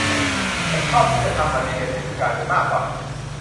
ฉันชอบที่จะทำมันในเดือนพฤศจิกายนมากว่า